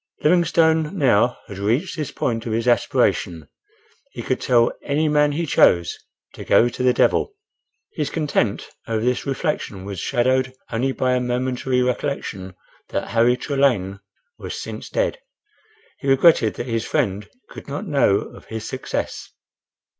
Livingstone now had reached this point of his aspiration—he could tell any man he chose "to go to the devil." His content over this reflection was shadowed only by a momentary recollection that Henry Trelane was since dead. He regretted that his friend could not know of his success.